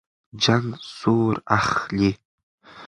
جنګ زور اخلي.